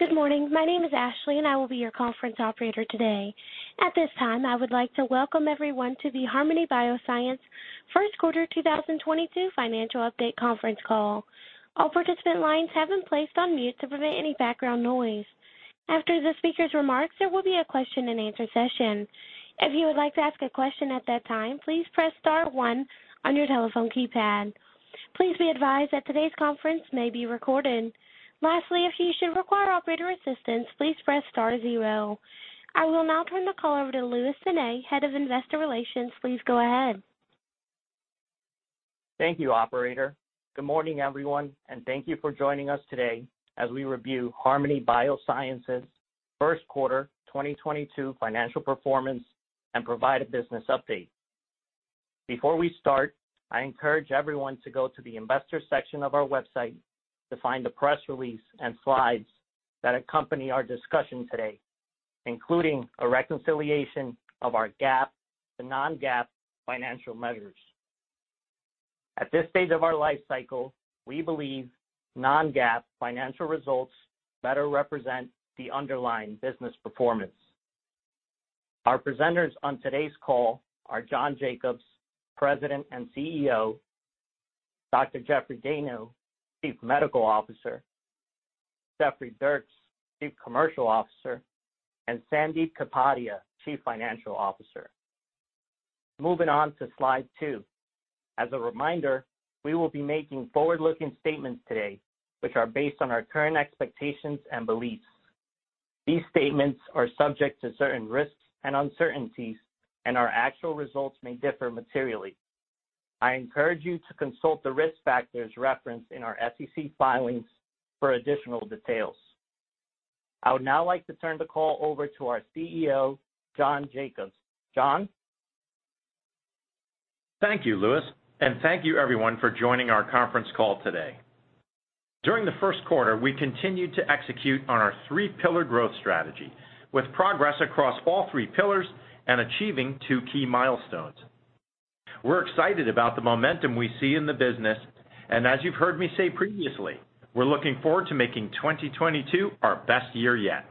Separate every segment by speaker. Speaker 1: Good morning. My name is Ashley, and I will be your conference operator today. At this time, I would like to welcome everyone to the Harmony Biosciences Q1 2022 financial update conference call. All participant lines have been placed on mute to prevent any background noise. After the speaker's remarks, there will be a question-and-answer session. If you would like to ask a question at that time, please press star one on your telephone keypad. Please be advised that today's conference may be recorded. Lastly, if you should require operator assistance, please press star zero. I will now turn the call over to Luis Sanay, Head of Investor Relations. Please go ahead.
Speaker 2: Thank you, operator. Good morning, everyone, and thank you for joining us today as we review Harmony Biosciences Q1 2022 financial performance and provide a business update. Before we start, I encourage everyone to go to the investor section of our website to find the press release and slides that accompany our discussion today, including a reconciliation of our GAAP to non-GAAP financial measures. At this stage of our life cycle, we believe non-GAAP financial results better represent the underlying business performance. Our presenters on today's call are John Jacobs, President and CEO, Dr. Jeffrey Dayno, Chief Medical Officer, Jeffrey Dierks, Chief Commercial Officer, and Sandip Kapadia, Chief Financial Officer. Moving on to slide two. As a reminder, we will be making forward-looking statements today, which are based on our current expectations and beliefs. These statements are subject to certain risks and uncertainties, and our actual results may differ materially. I encourage you to consult the risk factors referenced in our SEC filings for additional details. I would now like to turn the call over to our CEO, John Jacobs. John.
Speaker 3: Thank you, Luis, and thank you everyone for joining our conference call today. During the Q1, we continued to execute on our three-pillar growth strategy with progress across all three pillars and achieving two key milestones. We're excited about the momentum we see in the business, and as you've heard me say previously, we're looking forward to making 2022 our best year yet.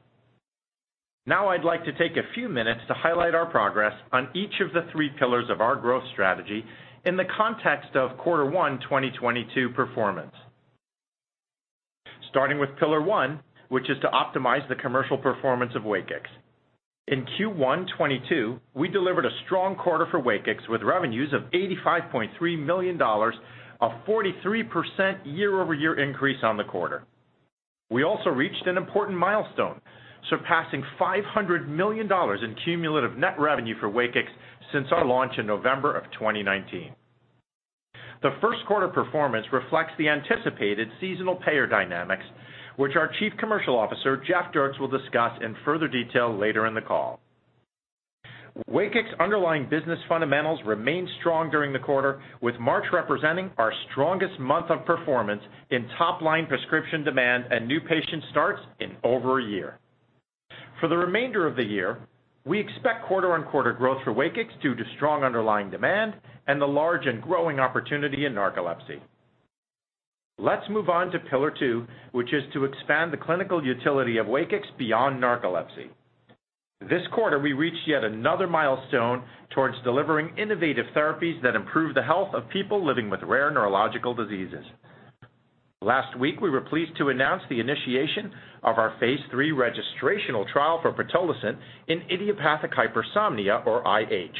Speaker 3: Now I'd like to take a few minutes to highlight our progress on each of the three pillars of our growth strategy in the context of Q1 2022 performance. Starting with pillar one, which is to optimize the commercial performance of WAKIX. In Q1 2022, we delivered a strong quarter for WAKIX with revenues of $85.3 million, a 43% year-over-year increase on the quarter. We also reached an important milestone, surpassing $500 million in cumulative net revenue for WAKIX since our launch in November of 2019. The Q1 performance reflects the anticipated seasonal payer dynamics, which our Chief Commercial Officer, Jeff Dierks, will discuss in further detail later in the call. WAKIX underlying business fundamentals remained strong during the quarter, with March representing our strongest month of performance in top line prescription demand and new patient starts in over a year. For the remainder of the year, we expect quarter-on-quarter growth for WAKIX due to strong underlying demand and the large and growing opportunity in narcolepsy. Let's move on to pillar two, which is to expand the clinical utility of WAKIX beyond narcolepsy. This quarter, we reached yet another milestone towards delivering innovative therapies that improve the health of people living with rare neurological diseases. Last week, we were pleased to announce the initiation of our phase III registrational trial for pitolisant in idiopathic hypersomnia or IH.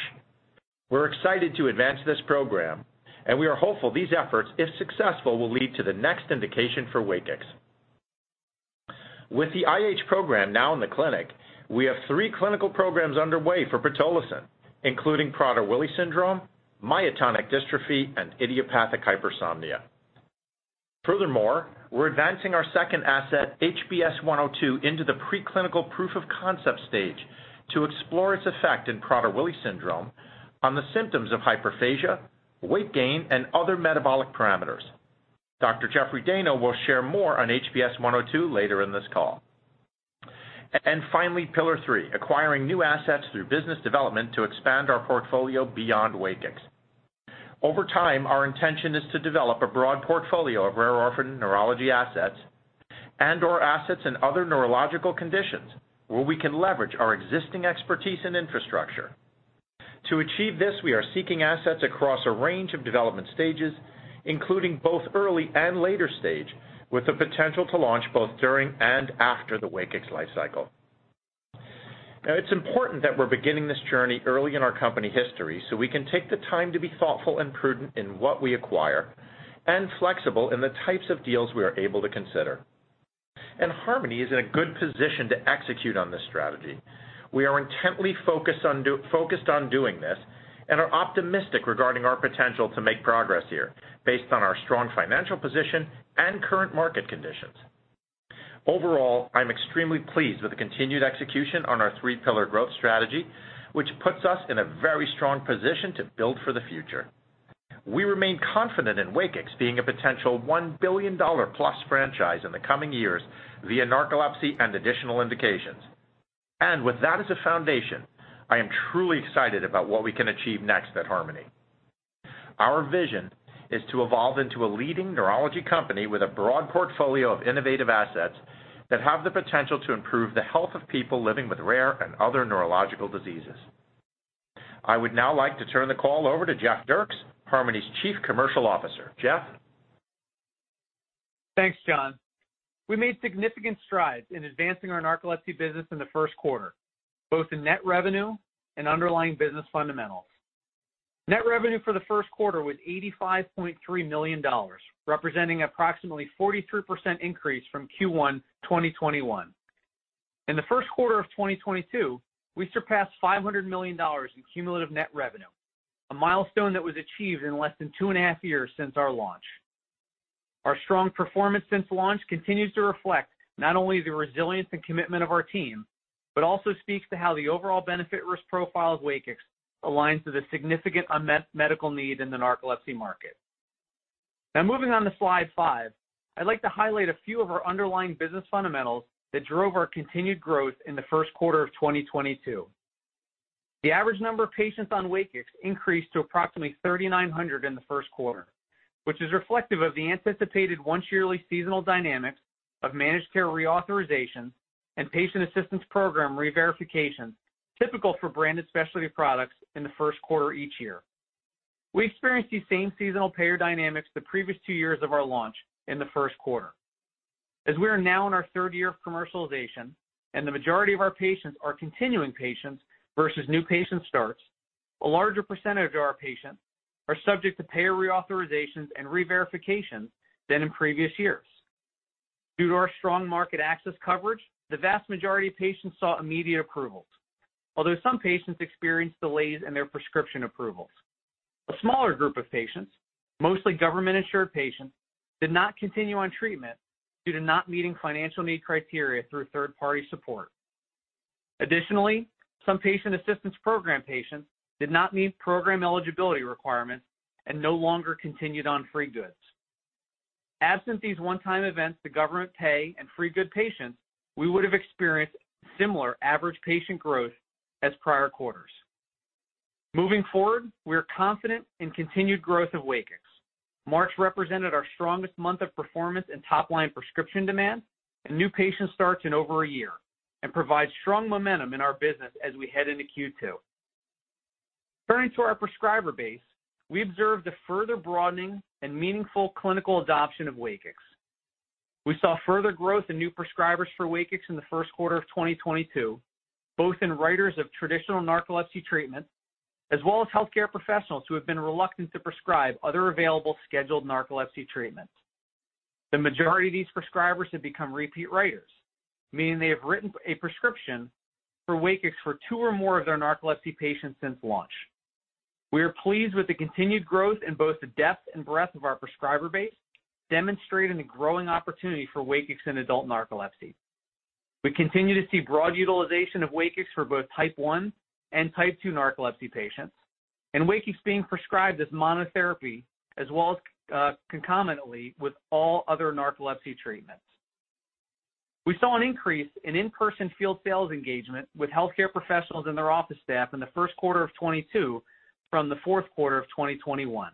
Speaker 3: We're excited to advance this program, and we are hopeful these efforts, if successful, will lead to the next indication for WAKIX. With the IH program now in the clinic, we have three clinical programs underway for pitolisant, including Prader-Willi syndrome, myotonic dystrophy, and idiopathic hypersomnia. Furthermore, we're advancing our second asset, HBS-102, into the pre-clinical proof of concept stage to explore its effect in Prader-Willi syndrome on the symptoms of hyperphagia, weight gain, and other metabolic parameters. Dr. Jeffrey Dayno will share more on HBS-102 later in this call. Finally, pillar three, acquiring new assets through business development to expand our portfolio beyond WAKIX. Over time, our intention is to develop a broad portfolio of rare orphan neurology assets and/or assets in other neurological conditions where we can leverage our existing expertise and infrastructure. To achieve this, we are seeking assets across a range of development stages, including both early and later stage, with the potential to launch both during and after the WAKIX lifecycle. Now, it's important that we're beginning this journey early in our company history, so we can take the time to be thoughtful and prudent in what we acquire and flexible in the types of deals we are able to consider. Harmony is in a good position to execute on this strategy. We are intently focused on doing this and are optimistic regarding our potential to make progress here based on our strong financial position and current market conditions. Overall, I'm extremely pleased with the continued execution on our three pillar growth strategy, which puts us in a very strong position to build for the future. We remain confident in WAKIX being a potential $1 billion plus franchise in the coming years via narcolepsy and additional indications. With that as a foundation, I am truly excited about what we can achieve next at Harmony. Our vision is to evolve into a leading neurology company with a broad portfolio of innovative assets that have the potential to improve the health of people living with rare and other neurological diseases. I would now like to turn the call over to Jeff Dierks, Harmony's Chief Commercial Officer. Jeff?
Speaker 4: Thanks, John. We made significant strides in advancing our narcolepsy business in the Q1, both in net revenue and underlying business fundamentals. Net revenue for the Q1 was $85.3 million, representing approximately 43% increase from Q1 2021. In the Q1 of 2022, we surpassed $500 million in cumulative net revenue, a milestone that was achieved in less than 2.5 years since our launch. Our strong performance since launch continues to reflect not only the resilience and commitment of our team, but also speaks to how the overall benefit risk profile of WAKIX aligns with a significant unmet medical need in the narcolepsy market. Now moving on to slide five, I'd like to highlight a few of our underlying business fundamentals that drove our continued growth in the Q1 of 2022. The average number of patients on WAKIX increased to approximately 3,900 in the Q1, which is reflective of the anticipated once yearly seasonal dynamics of managed care reauthorizations and patient assistance program reverification, typical for branded specialty products in the Q1 each year. We experienced these same seasonal payer dynamics the previous two years of our launch in the Q1. As we are now in our third year of commercialization, and the majority of our patients are continuing patients versus new patient starts, a larger percentage of our patients are subject to payer reauthorizations and reverifications than in previous years. Due to our strong market access coverage, the vast majority of patients saw immediate approvals, although some patients experienced delays in their prescription approvals. A smaller group of patients, mostly government-insured patients, did not continue on treatment due to not meeting financial need criteria through third-party support. Additionally, some patient assistance program patients did not meet program eligibility requirements and no longer continued on free goods. Absent these one-time events to government pay and free good patients, we would have experienced similar average patient growth as prior quarters. Moving forward, we are confident in continued growth of WAKIX. March represented our strongest month of performance and top-line prescription demand and new patient starts in over a year and provides strong momentum in our business as we head into Q2. Turning to our prescriber base, we observed a further broadening and meaningful clinical adoption of WAKIX. We saw further growth in new prescribers for WAKIX in the Q1 of 2022, both in writers of traditional narcolepsy treatments as well as healthcare professionals who have been reluctant to prescribe other available scheduled narcolepsy treatments. The majority of these prescribers have become repeat writers, meaning they have written a prescription for WAKIX for two or more of their narcolepsy patients since launch. We are pleased with the continued growth in both the depth and breadth of our prescriber base, demonstrating the growing opportunity for WAKIX in adult narcolepsy. We continue to see broad utilization of WAKIX for both type one and type two narcolepsy patients and WAKIX being prescribed as monotherapy as well as concomitantly with all other narcolepsy treatments. We saw an increase in in-person field sales engagement with healthcare professionals and their office staff in the Q1 of 2022 from the Q4 of 2021.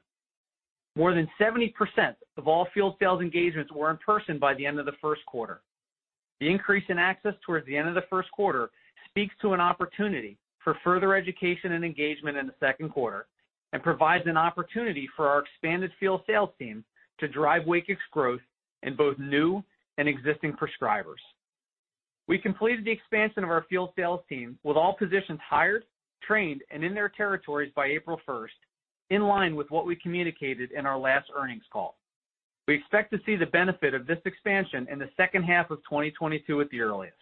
Speaker 4: More than 70% of all field sales engagements were in person by the end of the Q1. The increase in access towards the end of the Q1 speaks to an opportunity for further education and engagement in the Q2 and provides an opportunity for our expanded field sales team to drive WAKIX growth in both new and existing prescribers. We completed the expansion of our field sales team with all positions hired, trained, and in their territories by April 1st, in line with what we communicated in our last earnings call. We expect to see the benefit of this expansion in the H2 of 2022 at the earliest.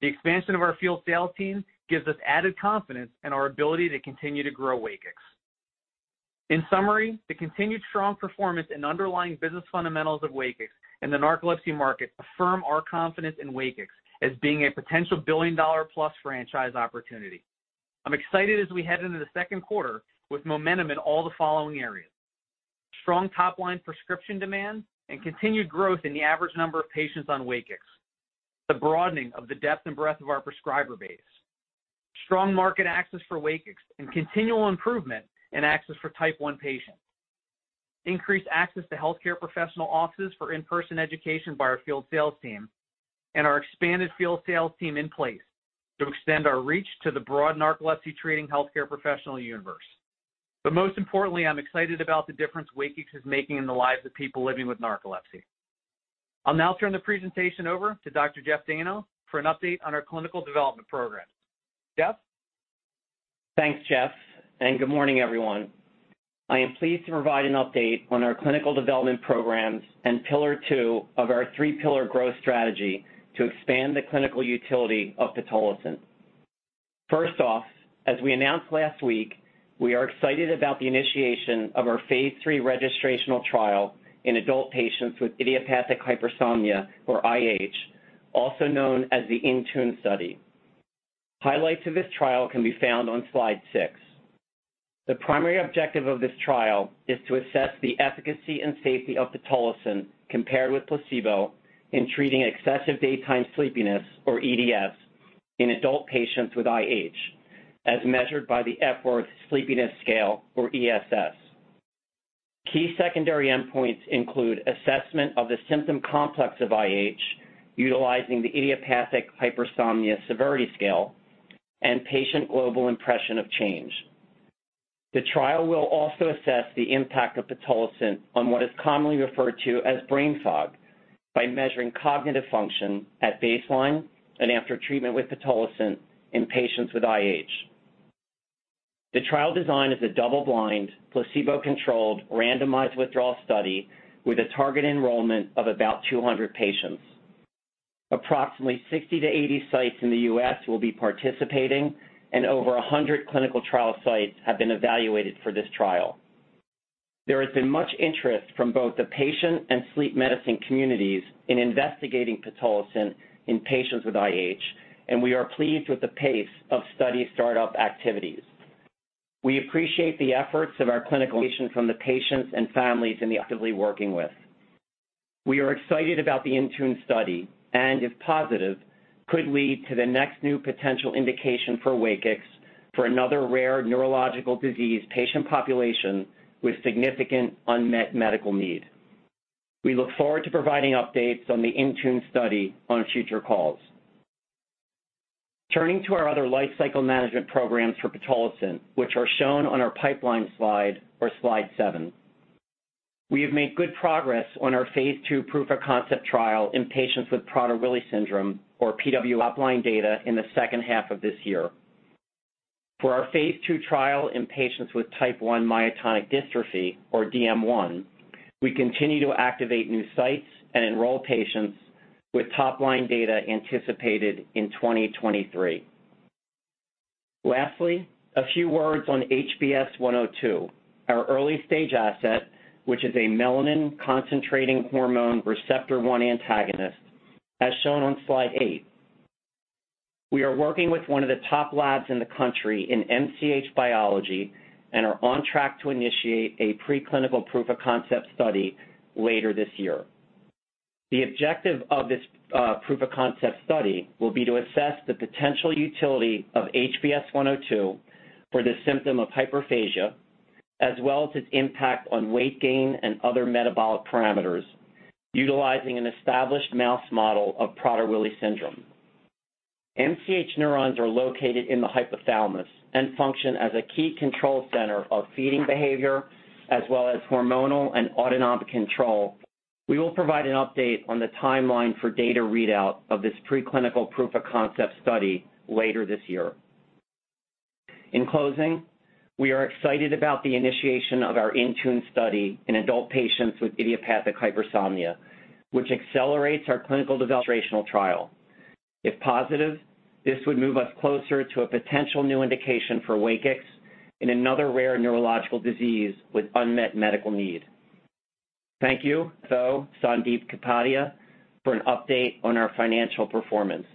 Speaker 4: The expansion of our field sales team gives us added confidence in our ability to continue to grow WAKIX. In summary, the continued strong performance and underlying business fundamentals of WAKIX in the narcolepsy market affirm our confidence in WAKIX as being a potential billion-dollar-plus franchise opportunity. I'm excited as we head into the Q2 with momentum in all the following areas. Strong top-line prescription demand and continued growth in the average number of patients on WAKIX. The broadening of the depth and breadth of our prescriber base. Strong market access for WAKIX and continual improvement in access for type one patients. Increased access to healthcare professional offices for in-person education by our field sales team. Our expanded field sales team in place to extend our reach to the broad narcolepsy treating healthcare professional universe. Most importantly, I'm excited about the difference WAKIX is making in the lives of people living with narcolepsy. I'll now turn the presentation over to Dr. Jeff Dayno for an update on our clinical development programs. Jeff?
Speaker 5: Thanks, Jeff, and good morning, everyone. I am pleased to provide an update on our clinical development programs and pillar two of our threee-pillar growth strategy to expand the clinical utility of pitolisant. First off, as we announced last week, we are excited about the initiation of our phase III registrational trial in adult patients with idiopathic hypersomnia, or IH, also known as the INTUNE study. Highlights of this trial can be found on slide six. The primary objective of this trial is to assess the efficacy and safety of pitolisant compared with placebo in treating excessive daytime sleepiness, or EDS, in adult patients with IH, as measured by the Epworth Sleepiness Scale, or ESS. Key secondary endpoints include assessment of the symptom complex of IH utilizing the Idiopathic Hypersomnia Severity Scale and Patient Global Impression of Change. The trial will also assess the impact of pitolisant on what is commonly referred to as brain fog by measuring cognitive function at baseline and after treatment with pitolisant in patients with IH. The trial design is a double-blind, placebo-controlled, randomized withdrawal study with a target enrollment of about 200 patients. Approximately 60-80 sites in the U.S. will be participating, and over 100 clinical trial sites have been evaluated for this trial. There has been much interest from both the patient and sleep medicine communities in investigating pitolisant in patients with IH, and we are pleased with the pace of study startup activities. We appreciate the efforts of our clinicians and the patients and families in actively working with. We are excited about the INTUNE study and, if positive, could lead to the next new potential indication for WAKIX for another rare neurological disease patient population with significant unmet medical need. We look forward to providing updates on the INTUNE study on future calls. Turning to our other lifecycle management programs for pitolisant, which are shown on our pipeline slide or slide seven. We have made good progress on our phase II proof of concept trial in patients with Prader-Willi syndrome, or PWS, top line data in the H2 of this year. For our phase II trial in patients with type 1 myotonic dystrophy, or DM1, we continue to activate new sites and enroll patients with top line data anticipated in 2023. Lastly, a few words on HBS-102, our early stage asset, which is a melanin-concentrating hormone receptor 1 antagonist, as shown on slide eight. We are working with one of the top labs in the country in MCH biology and are on track to initiate a preclinical proof of concept study later this year. The objective of this proof of concept study will be to assess the potential utility of HBS-102 for the symptom of hyperphagia, as well as its impact on weight gain and other metabolic parameters, utilizing an established mouse model of Prader-Willi syndrome. MCH neurons are located in the hypothalamus and function as a key control center of feeding behavior as well as hormonal and autonomic control. We will provide an update on the timeline for data readout of this preclinical proof of concept study later this year. In closing, we are excited about the initiation of our INTUNE study in adult patients with idiopathic hypersomnia, which accelerates our clinical trial. If positive, this would move us closer to a potential new indication for WAKIX in another rare neurological disease with unmet medical need. Thank you. Sandip Kapadia for an update on our financial performance.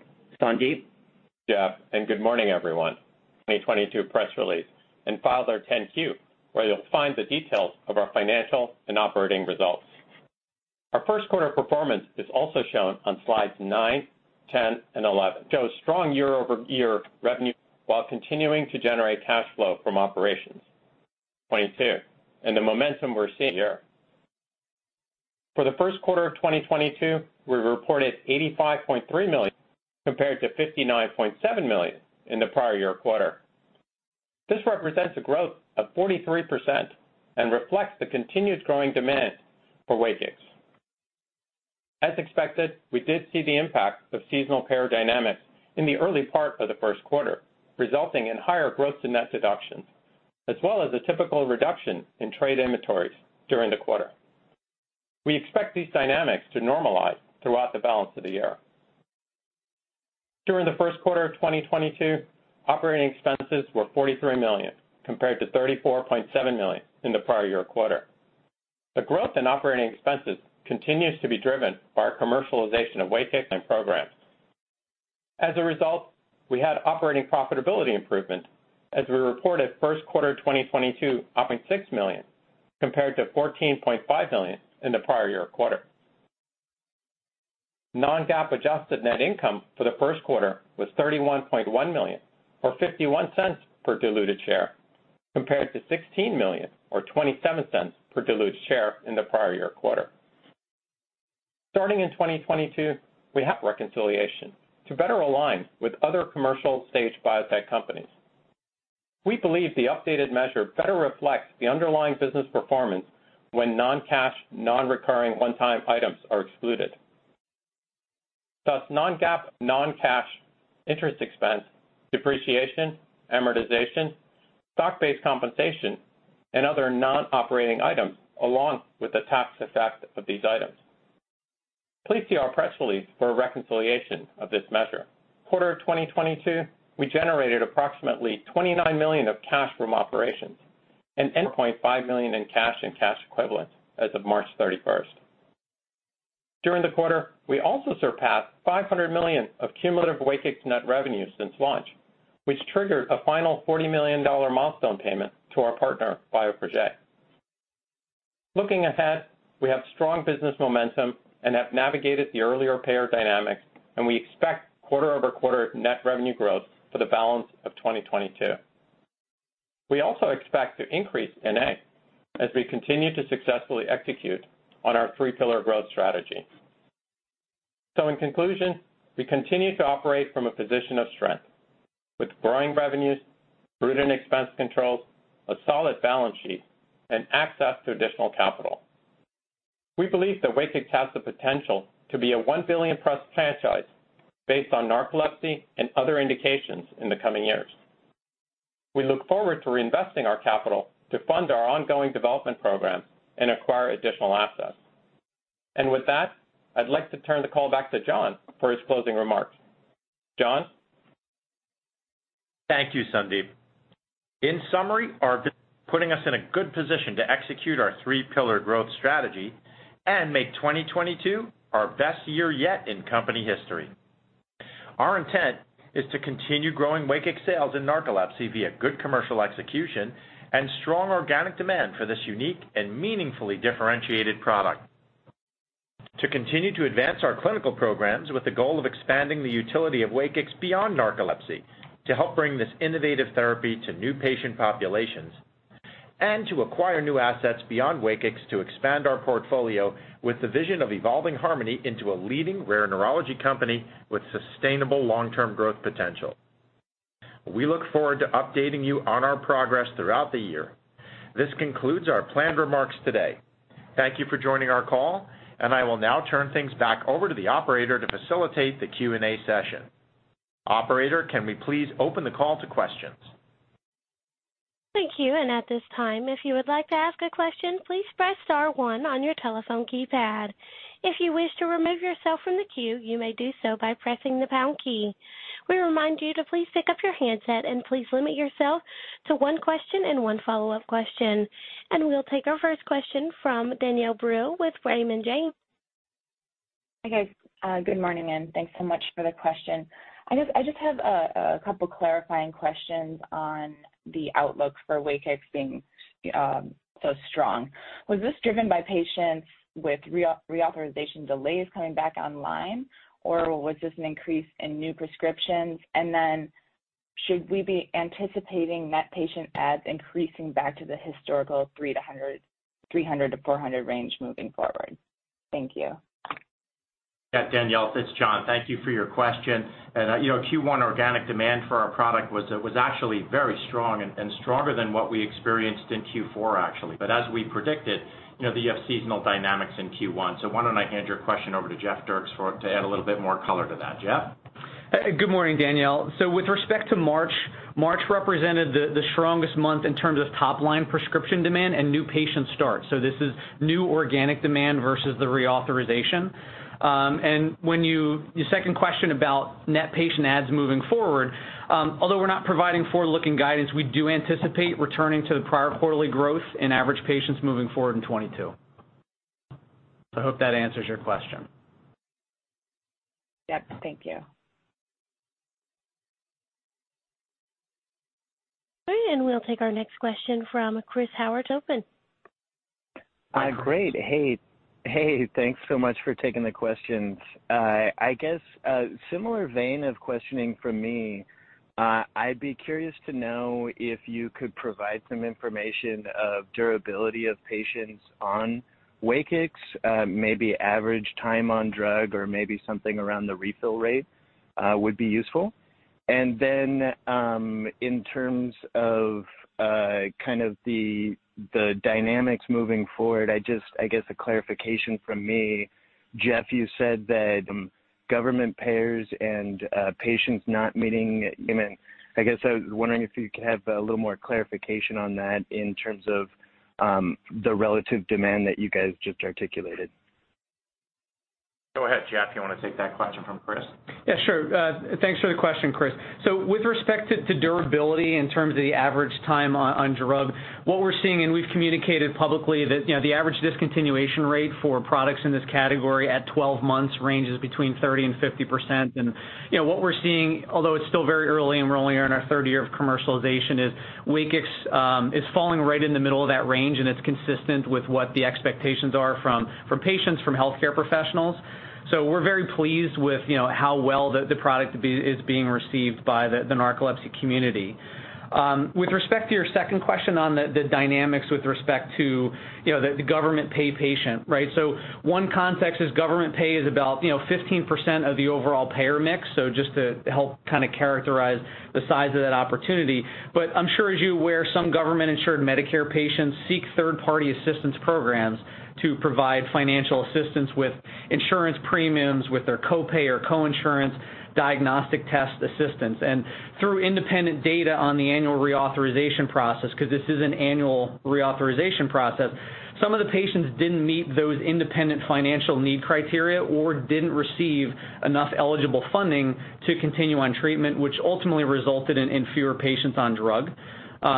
Speaker 5: Sandip?
Speaker 6: Yeah, good morning, everyone. 2022 press release and filed our 10-Q, where you'll find the details of our financial and operating results. Our Q1 performance is also shown on slides nine, 10, and 11. Show strong year-over-year revenue while continuing to generate cash flow from operations. 2022 and the momentum we're seeing here. For the Q1 of 2022, we reported $85.3 million compared to $59.7 million in the prior year quarter. This represents a growth of 43% and reflects the continued growing demand for WAKIX. As expected, we did see the impact of seasonal payer dynamics in the early part of the Q1, resulting in higher gross and net deductions, as well as a typical reduction in trade inventories during the quarter. We expect these dynamics to normalize throughout the balance of the year. During the Q1 of 2022, operating expenses were $43 million, compared to $34.7 million in the prior year quarter. The growth in operating expenses continues to be driven by our commercialization of WAKIX and programs. As a result, we had operating profitability improvement as we reported Q1 2022, $0.6 million, compared to $14.5 million in the prior year quarter. Non-GAAP adjusted net income for the Q1 was $31.1 million, or $0.51 per diluted share, compared to $16 million or $0.27 per diluted share in the prior year quarter. Starting in 2022, we have reconciliation to better align with other commercial stage biotech companies. We believe the updated measure better reflects the underlying business performance when non-cash, non-recurring one-time items are excluded. Thus, non-GAAP, non-cash interest expense, depreciation, amortization, stock-based compensation, and other non-operating items, along with the tax effect of these items. Please see our press release for a reconciliation of this measure. Quarter of 2022, we generated approximately $29 million of cash from operations and ended $0.5 million in cash and cash equivalents as of March 31st. During the quarter, we also surpassed $500 million of cumulative WAKIX net revenue since launch, which triggered a final $40 million milestone payment to our partner, Bioprojet. Looking ahead, we have strong business momentum and have navigated the earlier payer dynamics, and we expect quarter-over-quarter net revenue growth for the balance of 2022. We also expect to increase NA as we continue to successfully execute on our three-pillar growth strategy. In conclusion, we continue to operate from a position of strength with growing revenues, rooted in expense controls, a solid balance sheet, and access to additional capital. We believe that WAKIX has the potential to be a 1 billion plus franchise based on narcolepsy and other indications in the coming years. We look forward to reinvesting our capital to fund our ongoing development program and acquire additional assets. With that, I'd like to turn the call back to John for his closing remarks. John?
Speaker 3: Thank you, Sandip. In summary, our putting us in a good position to execute our three-pillar growth strategy and make 2022 our best year yet in company history. Our intent is to continue growing WAKIX sales in narcolepsy via good commercial execution and strong organic demand for this unique and meaningfully differentiated product, to continue to advance our clinical programs with the goal of expanding the utility of WAKIX beyond narcolepsy to help bring this innovative therapy to new patient populations, and to acquire new assets beyond WAKIX to expand our portfolio with the vision of evolving harmony into a leading rare neurology company with sustainable long-term growth potential. We look forward to updating you on our progress throughout the year. This concludes our planned remarks today. Thank you for joining our call, and I will now turn things back over to the operator to facilitate the Q&A session. Operator, can we please open the call to questions?
Speaker 1: Thank you. At this time, if you would like to ask a question, please press star one on your telephone keypad. If you wish to remove yourself from the queue, you may do so by pressing the pound key. We remind you to please pick up your handset and please limit yourself to one question and one follow-up question. We'll take our first question from Danielle Brill with Raymond James.
Speaker 7: Hi, guys. Good morning, and thanks so much for the question. I just have a couple clarifying questions on the outlook for WAKIX being so strong. Was this driven by patients with reauthorization delays coming back online, or was this an increase in new prescriptions? Should we be anticipating net patient adds increasing back to the historical 300-400 range moving forward? Thank you.
Speaker 3: Yeah, Danielle, it's John. Thank you for your question. You know, Q1 organic demand for our product was actually very strong and stronger than what we experienced in Q4, actually. As we predicted, you know, you have seasonal dynamics in Q1. Why don't I hand your question over to Jeff Dierks to add a little bit more color to that. Jeff?
Speaker 4: Good morning, Danielle. With respect to March represented the strongest month in terms of top-line prescription demand and new patient starts. This is new organic demand versus the reauthorization. And your second question about net patient adds moving forward, although we're not providing forward-looking guidance, we do anticipate returning to the prior quarterly growth in average patients moving forward in 2022. I hope that answers your question.
Speaker 7: Yep, thank you.
Speaker 1: All right, we'll take our next question from Chris Howerton, Oppenheimer.
Speaker 8: Great. Hey, thanks so much for taking the questions. I guess similar vein of questioning from me. I'd be curious to know if you could provide some information of durability of patients on WAKIX, maybe average time on drug or maybe something around the refill rate, would be useful. In terms of kind of the dynamics moving forward, I guess a clarification from me. Jeff, you said that government payers and patients not meeting payment. I guess I was wondering if you could have a little more clarification on that in terms of the relative demand that you guys just articulated.
Speaker 3: Go ahead, Jeff, you wanna take that question from Chris?
Speaker 4: Yeah, sure. Thanks for the question, Chris. With respect to durability in terms of the average time on drug, what we're seeing, and we've communicated publicly that, you know, the average discontinuation rate for products in this category at 12 months ranges between 30% and 50%. You know, what we're seeing, although it's still very early and we're only on our third year of commercialization, is WAKIX is falling right in the middle of that range, and it's consistent with what the expectations are from patients, from healthcare professionals. We're very pleased with, you know, how well the product is being received by the narcolepsy community. With respect to your second question on the dynamics with respect to, you know, the government pay patient, right? One context is government pay is about, you know, 15% of the overall payer mix. Just to help kinda characterize the size of that opportunity. I'm sure as you're aware, some government-insured Medicare patients seek third-party assistance programs to provide financial assistance with insurance premiums, with their copay or co-insurance diagnostic test assistance. Through independent data on the annual reauthorization process, 'cause this is an annual reauthorization process, some of the patients didn't meet those independent financial need criteria or didn't receive enough eligible funding to continue on treatment, which ultimately resulted in fewer patients on drug.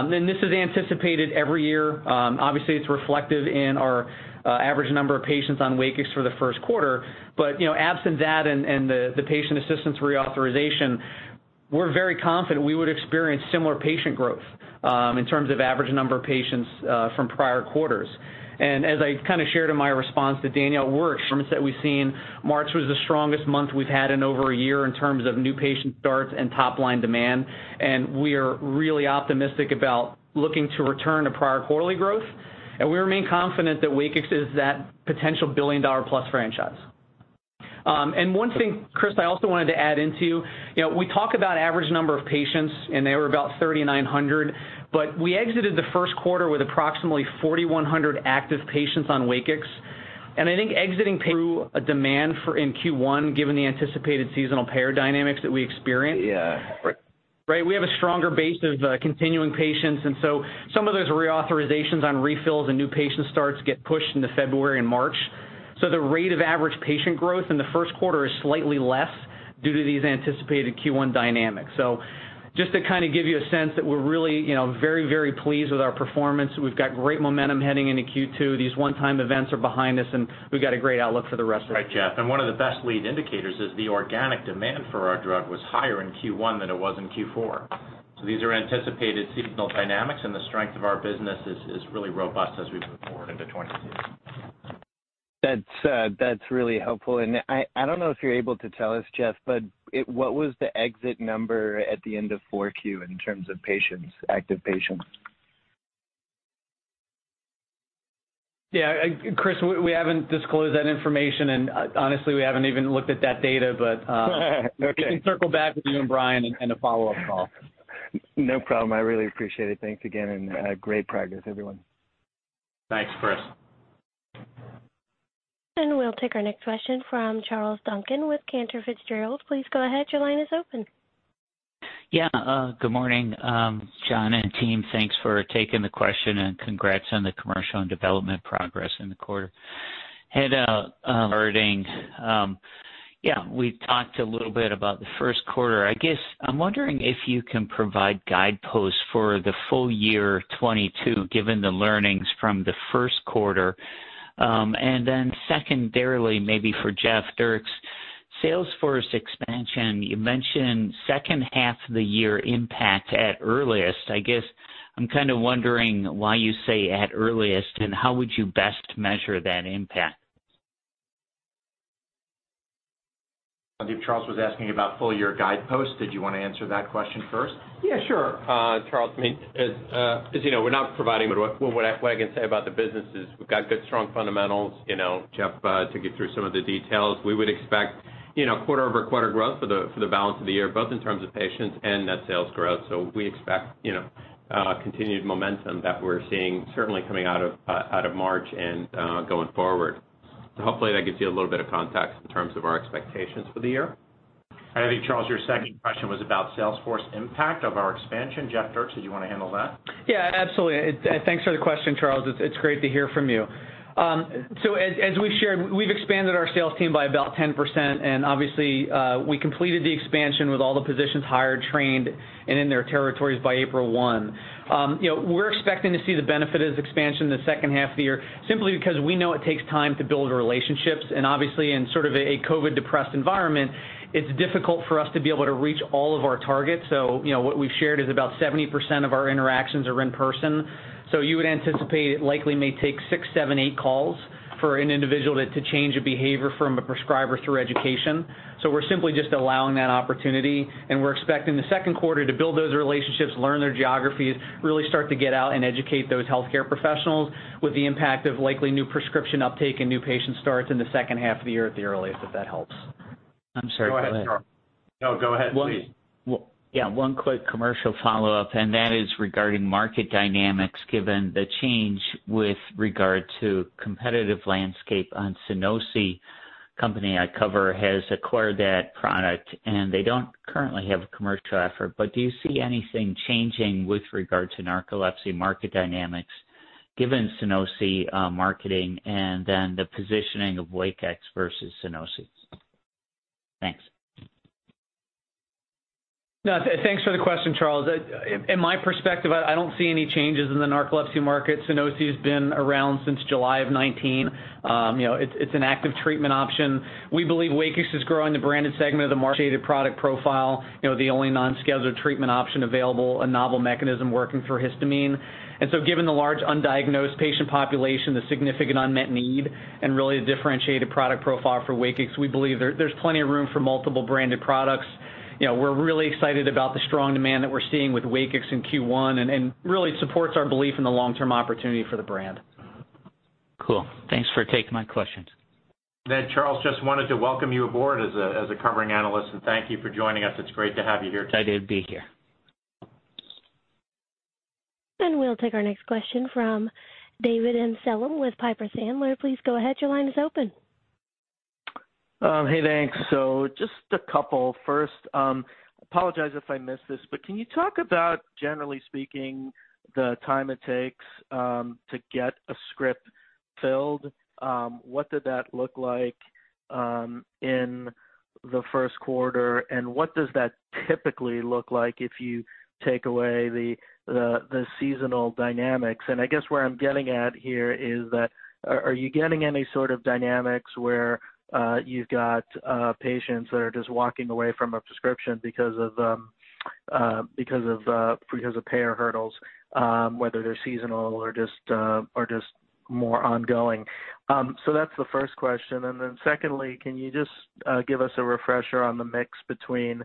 Speaker 4: This is anticipated every year. Obviously, it's reflective in our average number of patients on WAKIX for the Q1. You know, absent that and the patient assistance reauthorization. We're very confident we would experience similar patient growth, in terms of average number of patients, from prior quarters. As I kind of shared in my response to Danielle, we're assured that we've seen March was the strongest month we've had in over a year in terms of new patient starts and top-line demand. We are really optimistic about looking to return to prior quarterly growth. We remain confident that WAKIX is that potential billion-dollar-plus franchise. One thing, Chris, I also wanted to add into, you know, we talk about average number of patients, and they were about 3,900, but we exited the Q1 with approximately 4,100 active patients on WAKIX. I think exiting Q1, given the anticipated seasonal payer dynamics that we experienced. We have a stronger base of continuing patients. Some of those reauthorizations on refills and new patient starts get pushed into February and March. The rate of average patient growth in the Q1 is slightly less due to these anticipated Q1 dynamics. Just to kind of give you a sense that we're really, you know, very, very pleased with our performance. We've got great momentum heading into Q2. These one-time events are behind us, and we've got a great outlook for the rest of the year.
Speaker 3: Right, Jeff. One of the best lead indicators is the organic demand for our drug was higher in Q1 than it was in Q4. These are anticipated seasonal dynamics, and the strength of our business is really robust as we move forward into 2022.
Speaker 8: That's really helpful. I don't know if you're able to tell us, Jeff, but what was the exit number at the end of Q4 in terms of patients, active patients?
Speaker 4: Yeah, Chris, we haven't disclosed that information, and honestly, we haven't even looked at that data.
Speaker 8: Okay.
Speaker 4: We can circle back with you and Brian in a follow-up call.
Speaker 8: No problem. I really appreciate it. Thanks again and great progress, everyone.
Speaker 4: Thanks, Chris.
Speaker 1: We'll take our next question from Charles Duncan with Cantor Fitzgerald. Please go ahead. Your line is open.
Speaker 9: Good morning, John and team. Thanks for taking the question and congrats on the commercial and development progress in the quarter. We talked a little bit about the first quarter. I guess I'm wondering if you can provide guideposts for the full year 2022, given the learnings from the Q1. Secondarily, maybe for Jeff Dierks, sales force expansion, you mentioned H2 of the year impact at earliest. I guess I'm kind of wondering why you say at earliest, and how would you best measure that impact?
Speaker 3: I think Charles was asking about full year guideposts. Did you want to answer that question first?
Speaker 5: Yeah, sure. Charles, I mean, as you know, we're not providing what I can say about the business is we've got good, strong fundamentals. You know, Jeff took you through some of the details. We would expect, you know, quarter-over-quarter growth for the balance of the year, both in terms of patients and net sales growth. We expect, you know, continued momentum that we're seeing certainly coming out of out of March and going forward. Hopefully that gives you a little bit of context in terms of our expectations for the year. I think, Charles, your second question was about sales force impact of our expansion. Jeff Dierks, did you want to handle that?
Speaker 4: Yeah, absolutely. Thanks for the question, Charles. It's great to hear from you. As we've shared, we've expanded our sales team by about 10%, and obviously, we completed the expansion with all the positions hired, trained, and in their territories by April 1. You know, we're expecting to see the benefit of this expansion in the H2 of the year simply because we know it takes time to build relationships. Obviously in sort of a COVID depressed environment, it's difficult for us to be able to reach all of our targets. You know what we've shared is about 70% of our interactions are in person. You would anticipate it likely may take six, seven, eight calls for an individual to change a behavior from a prescriber through education. We're simply just allowing that opportunity, and we're expecting the Q2 to build those relationships, learn their geographies, really start to get out and educate those healthcare professionals with the impact of likely new prescription uptake and new patient starts in the H2 of the year at the earliest, if that helps.
Speaker 9: I'm sorry. Go ahead.
Speaker 4: No, go ahead please.
Speaker 9: Yeah. One quick commercial follow-up, and that is regarding market dynamics. Given the change with regard to competitive landscape on Sunosi, company I cover has acquired that product and they don't currently have a commercial effort. Do you see anything changing with regard to narcolepsy market dynamics given Sunosi marketing and then the positioning of WAKIX versus Sunosi? Thanks.
Speaker 4: No, thanks for the question, Charles. In my perspective, I don't see any changes in the narcolepsy market. Sunosi has been around since July of 2019. You know, it's an active treatment option. We believe WAKIX is growing the branded segment of the market, safety product profile, you know, the only non-scheduled treatment option available, a novel mechanism working through histamine. Given the large undiagnosed patient population, the significant unmet need and really a differentiated product profile for WAKIX, we believe there's plenty of room for multiple branded products. You know, we're really excited about the strong demand that we're seeing with WAKIX in Q1 and really supports our belief in the long-term opportunity for the brand.
Speaker 9: Cool. Thanks for taking my questions.
Speaker 3: Charles, just wanted to welcome you aboard as a covering analyst, and thank you for joining us. It's great to have you here.
Speaker 9: Excited to be here.
Speaker 1: We'll take our next question from David Amsellem with Piper Sandler. Please go ahead. Your line is open.
Speaker 10: Hey, thanks. Just a couple. First, apologize if I missed this, but can you talk about, generally speaking, the time it takes to get a script filled. What did that look like in the Q1, and what does that typically look like if you take away the seasonal dynamics. I guess where I'm getting at here is that are you getting any sort of dynamics where you've got patients that are just walking away from a prescription because of payer hurdles, whether they're seasonal or just more ongoing. That's the first question. Secondly, can you just give us a refresher on the mix between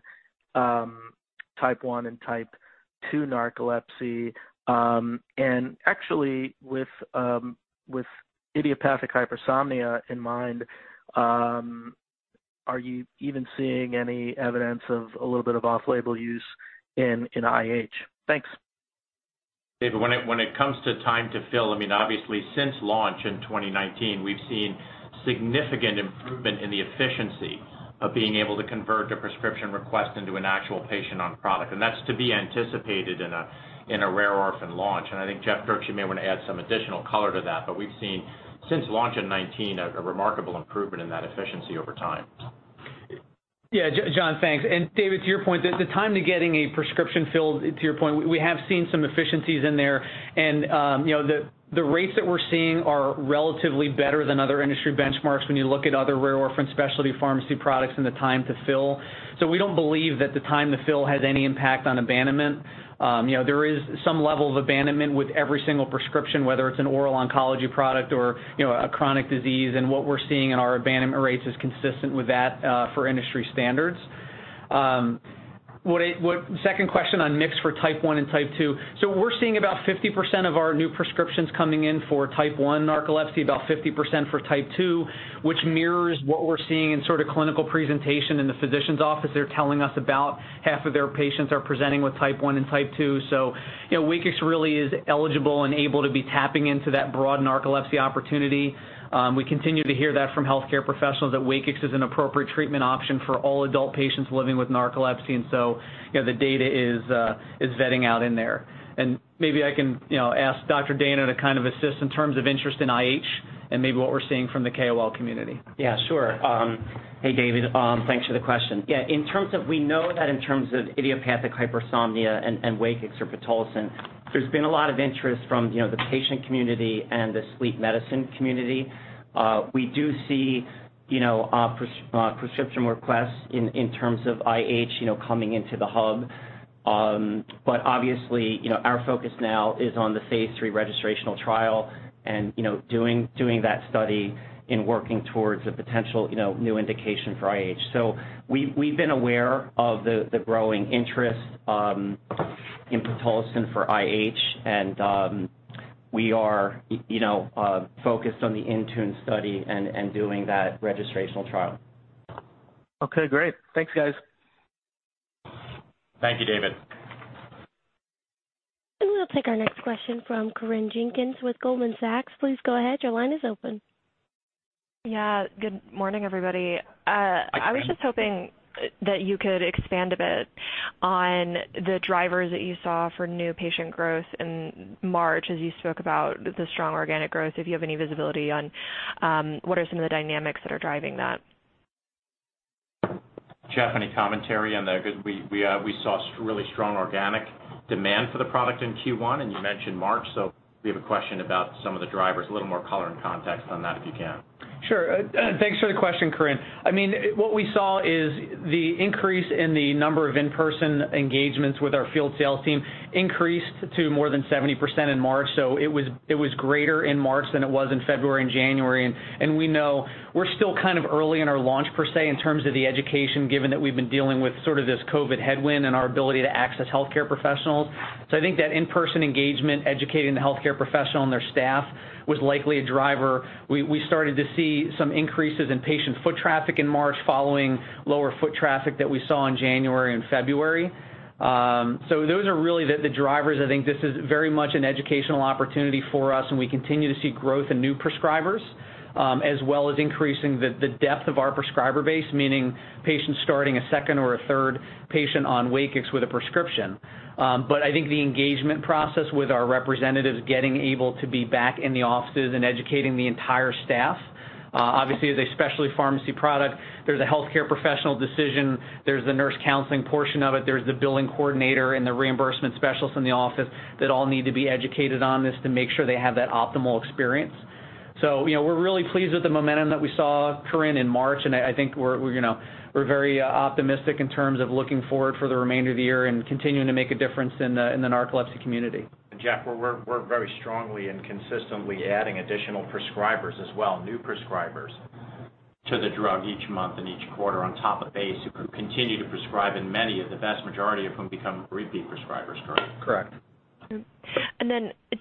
Speaker 10: Type 1 and Type 2 narcolepsy? Actually, with idiopathic hypersomnia in mind, are you even seeing any evidence of a little bit of off-label use in IH? Thanks.
Speaker 3: David, when it comes to time to fill, I mean, obviously since launch in 2019, we've seen significant improvement in the efficiency of being able to convert a prescription request into an actual patient on product. That's to be anticipated in a rare orphan launch. I think, Jeff Dierks, you may want to add some additional color to that, but we've seen since launch in 2019, a remarkable improvement in that efficiency over time.
Speaker 4: Yeah, John, thanks. David, to your point, the time to getting a prescription filled, to your point, we have seen some efficiencies in there. You know, the rates that we're seeing are relatively better than other industry benchmarks when you look at other rare orphan specialty pharmacy products and the time to fill. We don't believe that the time to fill has any impact on abandonment. You know, there is some level of abandonment with every single prescription, whether it's an oral oncology product or a chronic disease. What we're seeing in our abandonment rates is consistent with that, for industry standards. Second question on mix for Type 1 and Type 2. We're seeing about 50% of our new prescriptions coming in for Type 1 narcolepsy, about 50% for Type 2, which mirrors what we're seeing in sort of clinical presentation in the physician's office. They're telling us about half of their patients are presenting with Type 1 and Type 2. You know, WAKIX really is eligible and able to be tapping into that broad narcolepsy opportunity. We continue to hear that from healthcare professionals that WAKIX is an appropriate treatment option for all adult patients living with narcolepsy. You know, the data is vetting out in there. Maybe I can, you know, ask Dr. Dayno to kind of assist in terms of interest in IH and maybe what we're seeing from the KOL community.
Speaker 5: Yeah, sure. Hey, David, thanks for the question. Yeah, in terms of we know that in terms of idiopathic hypersomnia and WAKIX or pitolisant, there's been a lot of interest from, you know, the patient community and the sleep medicine community. We do see, you know, prescription requests in terms of IH, you know, coming into the hub. Obviously, you know, our focus now is on the phase III registrational trial and, you know, doing that study in working towards a potential, you know, new indication for IH. We've been aware of the growing interest in pitolisant for IH and we are, you know, focused on the INTUNE study and doing that registrational trial.
Speaker 10: Okay, great. Thanks, guys.
Speaker 3: Thank you, David.
Speaker 1: We'll take our next question from Corinne Jenkins with Goldman Sachs. Please go ahead. Your line is open.
Speaker 11: Yeah, good morning, everybody.
Speaker 3: Hi, Corinne.
Speaker 11: I was just hoping that you could expand a bit on the drivers that you saw for new patient growth in March as you spoke about the strong organic growth, if you have any visibility on what are some of the dynamics that are driving that.
Speaker 3: Jeff, any commentary on there? 'Cause we saw really strong organic demand for the product in Q1, and you mentioned March, so we have a question about some of the drivers, a little more color and context on that, if you can.
Speaker 4: Sure. Thanks for the question, Corinne. I mean, what we saw is the increase in the number of in-person engagements with our field sales team increased to more than 70% in March. It was greater in March than it was in February and January. We know we're still kind of early in our launch per se, in terms of the education, given that we've been dealing with sort of this COVID headwind and our ability to access healthcare professionals. I think that in-person engagement, educating the healthcare professional and their staff was likely a driver. We started to see some increases in patient foot traffic in March following lower foot traffic that we saw in January and February. Those are really the drivers. I think this is very much an educational opportunity for us, and we continue to see growth in new prescribers, as well as increasing the depth of our prescriber base, meaning patients starting a second or a third patient on WAKIX with a prescription. I think the engagement process with our representatives getting able to be back in the offices and educating the entire staff, obviously as a specialty pharmacy product, there's a healthcare professional decision, there's the nurse counseling portion of it, there's the billing coordinator and the reimbursement specialists in the office that all need to be educated on this to make sure they have that optimal experience. You know, we're really pleased with the momentum that we saw, Corinne, in March, and I think we're very optimistic in terms of looking forward for the remainder of the year and continuing to make a difference in the narcolepsy community.
Speaker 3: Jeff, we're very strongly and consistently adding additional prescribers as well, new prescribers to the drug each month and each quarter on top of base who continue to prescribe, and many of the vast majority of whom become repeat prescribers, Corinne.
Speaker 4: Correct.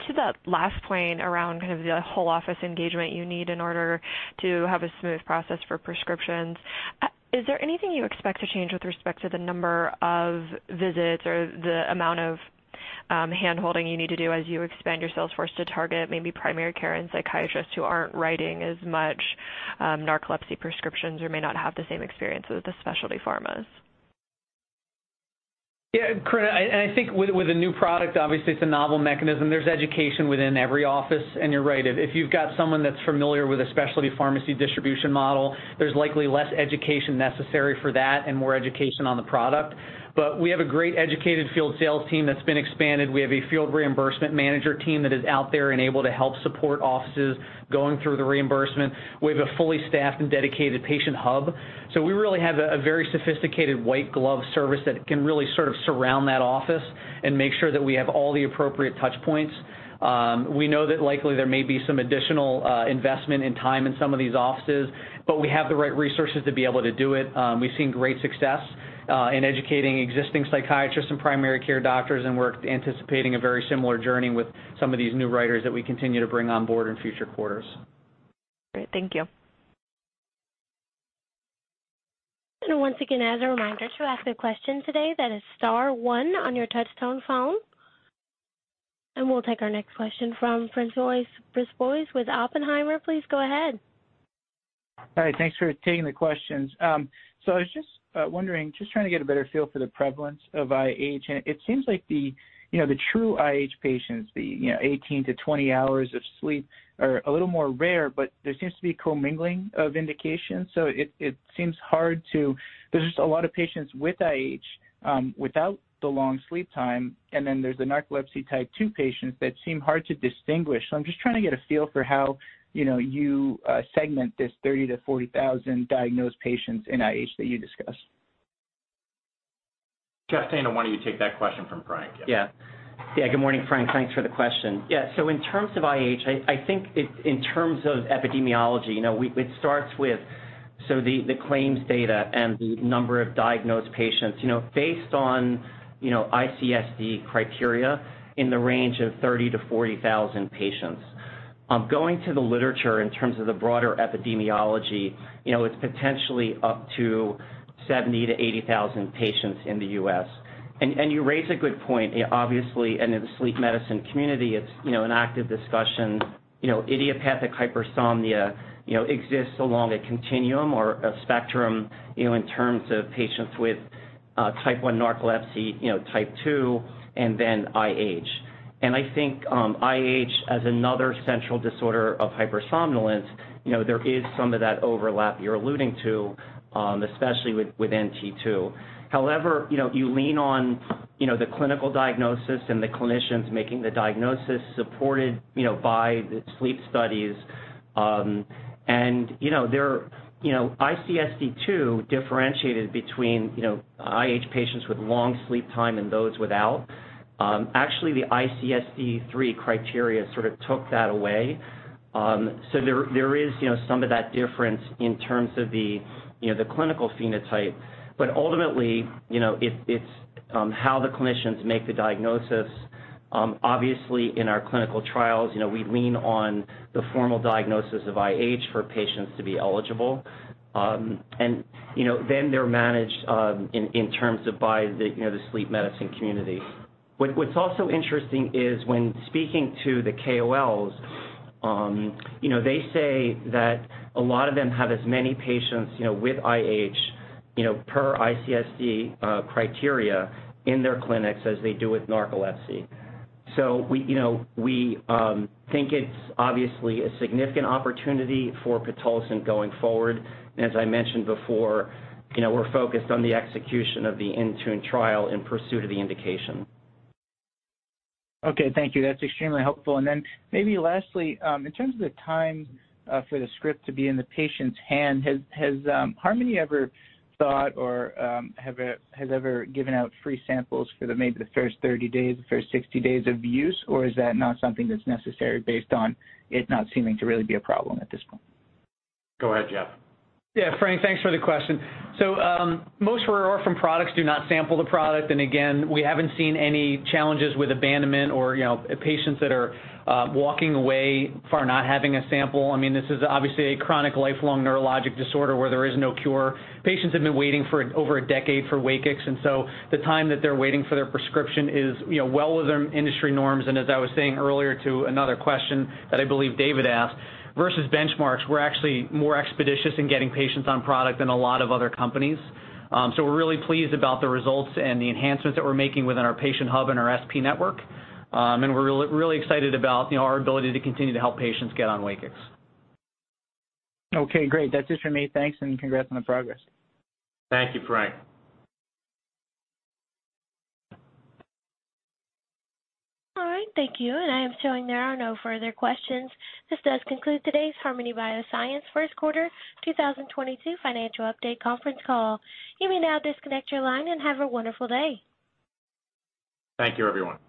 Speaker 11: To that last point around kind of the whole office engagement you need in order to have a smooth process for prescriptions, is there anything you expect to change with respect to the number of visits or the amount of handholding you need to do as you expand your sales force to target maybe primary care and psychiatrists who aren't writing as much narcolepsy prescriptions or may not have the same experience with the specialty pharmas?
Speaker 4: Yeah, Corinne, I think with a new product, obviously it's a novel mechanism. There's education within every office. You're right. If you've got someone that's familiar with a specialty pharmacy distribution model, there's likely less education necessary for that and more education on the product. But we have a great educated field sales team that's been expanded. We have a field reimbursement manager team that is out there and able to help support offices going through the reimbursement. We have a fully staffed and dedicated patient hub. We really have a very sophisticated white glove service that can really sort of surround that office and make sure that we have all the appropriate touch points. We know that likely there may be some additional investment and time in some of these offices, but we have the right resources to be able to do it. We've seen great success in educating existing psychiatrists and primary care doctors, and we're anticipating a very similar journey with some of these new writers that we continue to bring on board in future quarters.
Speaker 11: Great. Thank you.
Speaker 1: Once again, as a reminder, to ask a question today, that is star one on your touch tone phone. We'll take our next question from François Brisebois with Oppenheimer. Please go ahead.
Speaker 12: Hi. Thanks for taking the questions. I was just wondering, just trying to get a better feel for the prevalence of IH. It seems like the true IH patients, you know, 18-20 hours of sleep are a little more rare, but there seems to be co-mingling of indications. It seems hard to. There's just a lot of patients with IH without the long sleep time, and then there's the Narcolepsy Type 2 patients that seem hard to distinguish. I'm just trying to get a feel for how you segment this 30,000-40,000 diagnosed patients in IH that you discussed.
Speaker 3: Jeff Dayno, why don't you take that question from Frank?
Speaker 5: Yeah. Yeah. Good morning, Frank. Thanks for the question. Yeah. In terms of IH, I think it's in terms of epidemiology, you know, it starts with the claims data and the number of diagnosed patients, you know, based on ICSD criteria in the range of 30,000-40,000 patients. Going to the literature in terms of the broader epidemiology, you know, it's potentially up to 70,000-80,000 patients in the U.S. You raise a good point. Obviously, in the sleep medicine community, it's an active discussion. You know, idiopathic hypersomnia exists along a continuum or a spectrum, you know, in terms of patients with Type 1 narcolepsy, you know, Type 2, and then IH. I think IH as another central disorder of hypersomnolence, you know, there is some of that overlap you're alluding to, especially with NT2. However, you know, you lean on, you know, the clinical diagnosis and the clinicians making the diagnosis supported, you know, by the sleep studies. You know, there, you know, ICSD-2 differentiated between, you know, IH patients with long sleep time and those without. Actually, the ICSD-3 criteria sort of took that away. There is, you know, some of that difference in terms of the, you know, the clinical phenotype. Ultimately, you know, it's how the clinicians make the diagnosis. Obviously, in our clinical trials, you know, we lean on the formal diagnosis of IH for patients to be eligible. You know, then they're managed in terms of by the, you know, the sleep medicine community. What's also interesting is when speaking to the KOLs, you know, they say that a lot of them have as many patients, you know, with IH, you know, per ICSD criteria in their clinics as they do with narcolepsy. We, you know, think it's obviously a significant opportunity for pitolisant going forward. As I mentioned before, you know, we're focused on the execution of the INTUNE trial in pursuit of the indication.
Speaker 12: Okay. Thank you. That's extremely helpful. Maybe lastly, in terms of the time for the script to be in the patient's hand, has Harmony ever thought or has ever given out free samples for maybe the first 30 days, the first 60 days of use, or is that not something that's necessary based on it not seeming to really be a problem at this point?
Speaker 3: Go ahead, Jeff.
Speaker 4: Yeah. François, thanks for the question. Most rare orphan products do not sample the product. Again, we haven't seen any challenges with abandonment or, you know, patients that are walking away for not having a sample. I mean, this is obviously a chronic lifelong neurologic disorder where there is no cure. Patients have been waiting for over a decade for WAKIX, and so the time that they're waiting for their prescription is, you know, well within industry norms. As I was saying earlier to another question that I believe David Amsellem asked, versus benchmarks, we're actually more expeditious in getting patients on product than a lot of other companies. We're really pleased about the results and the enhancements that we're making within our patient hub and our SP network. We're really excited about, you know, our ability to continue to help patients get on WAKIX.
Speaker 12: Okay, great. That's it for me. Thanks, and congrats on the progress.
Speaker 3: Thank you, Frank.
Speaker 1: All right. Thank you. I am showing there are no further questions. This does conclude today's Harmony Biosciences Q1 2022 financial update conference call. You may now disconnect your line and have a wonderful day.
Speaker 3: Thank you, everyone.